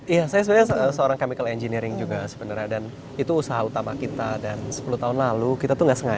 iya saya sebenarnya seorang chemical engineering juga sebenarnya dan itu usaha utama kita dan sepuluh tahun lalu kita tuh gak sengaja